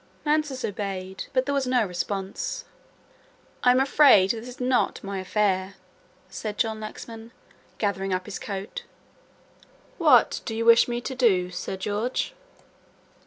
Mansus obeyed, but there was no response. "I am afraid this is not my affair," said John Lexman gathering up his coat. "What do you wish me to do, Sir George?"